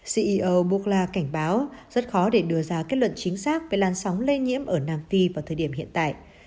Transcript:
ceo burgla cảnh báo rất khó để đưa ra kết luận chính xác về làn sóng lây nhiễm ở nam phi vào thời điểm hiện tại